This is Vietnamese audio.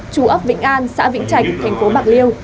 chú ấp vĩnh an xã vĩnh trạch thành phố bạc liêu